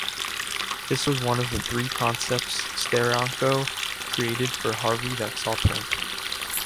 This was one of three concepts Steranko created for Harvey that saw print.